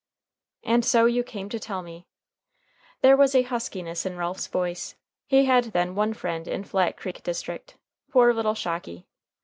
"And so you came to tell me." There was a huskiness in Ralph's voice. He had, then, one friend in Flat Creek district poor little Shocky.